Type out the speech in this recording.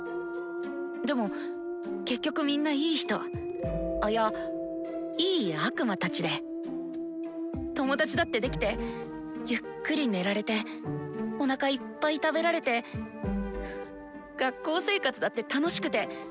でも結局みんなイイ人あいやいい悪魔たちで友達だって出来てゆっくり寝られておなかいっぱい食べられて学校生活だって楽しくて。